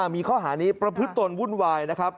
มีข้อหานี้ประพฤติตนวุ่นวายนะครับ